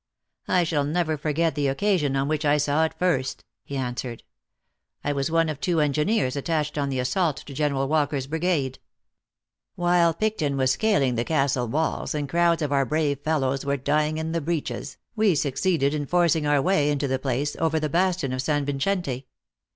" I shall never forget the occasion on which I saw it first," he answered. " I was one of two engineers attached on the assault to General Walker s brigade. While Picton was scaling the castle walls, and crowds of our brave fellows were dying in the breaches, we succeeded in forcing our way into the place over the bastion of San Yincente.